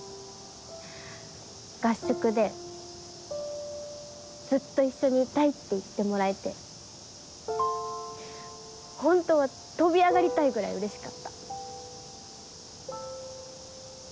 合宿で「ずっと一緒にいたい」って言ってもらえて本当は飛び上がりたいぐらいうれしかった。